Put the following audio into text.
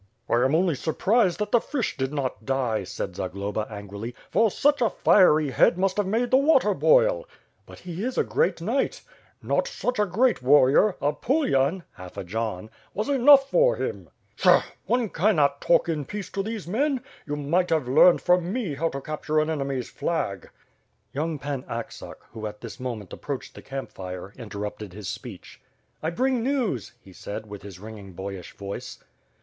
"I am only surprised that the fish did not die," said Zag loba angrily, "for such a fiery head must have made the water boil." "But he is a great knight!" "Not such a great warrior, a Pulyan (half a John) w«w ^pough for him/' With fire and sword, ^g^ 'Tshawl One cannot talk in peace to these men. You might have learned from me haw to capture an enemy's flag." Young Pan Aksak, who at this moment approached the camp fire, interrupted his speech. '*I bring news," he said, with his ringing boyish voice.